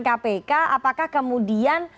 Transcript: kpk apakah kemudian